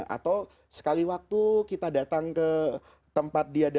atau sekali waktu kita datang ke tempat dia datang